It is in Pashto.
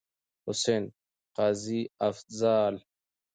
حسين، قاضي افضال.